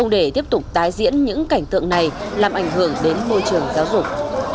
đại diễn những cảnh tượng này làm ảnh hưởng đến môi trường giáo dục